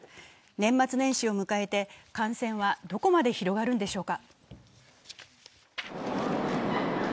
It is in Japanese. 年末年始を迎えて、感染はどこまで広がるのでしょうか。